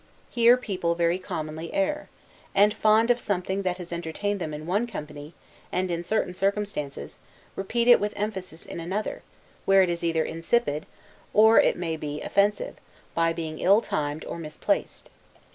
Here people very commonly err; and fond of something that has entertained them in one company, and in certain circumstances, repeat it with emphasis in another, where it is either insipid, or, it may be, offensive, by being ill timed or misplaced.